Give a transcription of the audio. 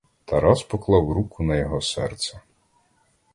Тарас поклав руку на його серце.